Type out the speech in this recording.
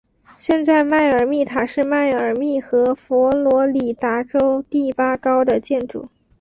现在迈阿密塔是迈阿密和佛罗里达州第八高的建筑。